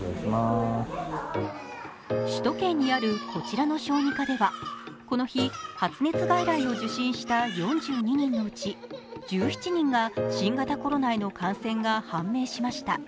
首都圏にあるこちらの小児科ではこの日、発熱外来を受診した４７人のうち１７人が新型コロナへの感染が判明しました。